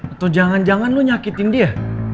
atau jangan jangan lo nyakitin dia